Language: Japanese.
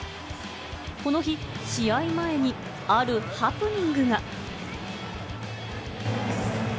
この日、試合前にあるハプニングが！